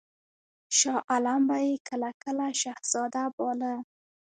شاه عالم به یې کله کله شهزاده باله.